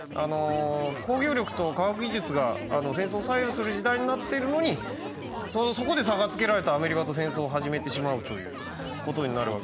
工業力と科学技術が戦争を左右する時代になっているのにそこで差がつけられたアメリカと戦争を始めてしまうということになるわけです。